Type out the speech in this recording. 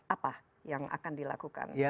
apa yang akan dilakukan